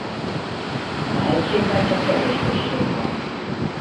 A hegységben csak kevés község van.